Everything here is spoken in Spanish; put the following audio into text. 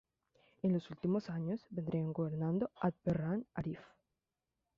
En los últimos años, venía gobernando Abderramán Arif.